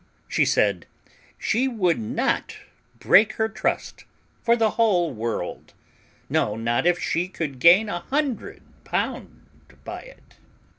She said, "She would not break her trust for the whole world; no, not if she could gain a hundred pound by it."